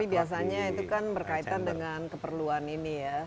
tapi biasanya itu kan berkaitan dengan keperluan ini ya